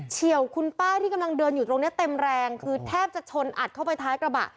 เฉียวคุณป้าที่กำลังเดินอยู่ตรงนี้เต็มแรงคือแทบจะชนอัดเข้าไปท้ายกระบะ